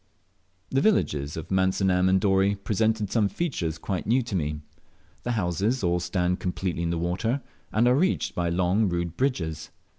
The villages of Mansinam and Dorey presented some features quite new to me. The houses all stand completely in the water, and are reached by long rude bridges.